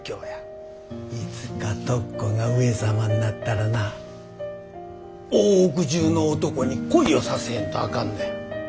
いつか徳子が上様になったらな大奥中の男に恋をさせへんとあかんのや。